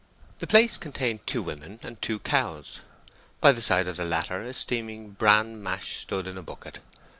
The place contained two women and two cows. By the side of the latter a steaming bran mash stood in a bucket.